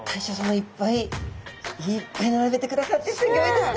いっぱい並べてくださってすギョいですね。